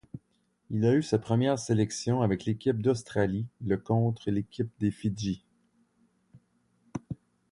Il a eu sa première sélection avec l'équipe d'Australie le contre l'équipe des Fidji.